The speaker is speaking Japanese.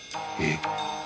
えっ！？